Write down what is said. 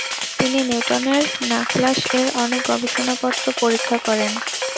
তিনি নিউটনের নাখলাস এর অনেক গবেষণাপত্র পরীক্ষা করেন।